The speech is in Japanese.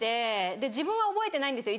自分は覚えてないんですよ